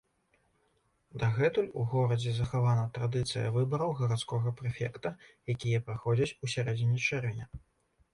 Дагэтуль у горадзе захавана традыцыя выбараў гарадскога прэфекта, якія праходзяць у сярэдзіне чэрвеня.